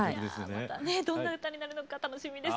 どんな歌になるのか楽しみです。